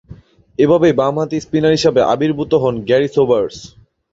এভাবেই বামহাতি স্পিনার হিসেবে আবির্ভূত হন গ্যারি সোবার্স।